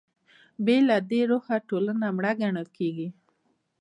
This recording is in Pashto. بې له دې روحه ټولنه مړه ګڼل کېږي.